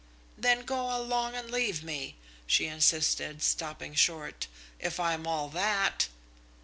"Then go along and leave me," she insisted, stopping short, "if I'm all that."